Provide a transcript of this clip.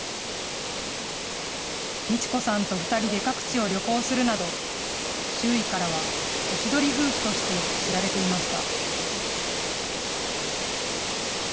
路子さんと２人で各地を旅行するなど、周囲からはおしどり夫婦として知られていました。